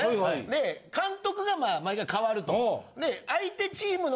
で監督が毎回替わると。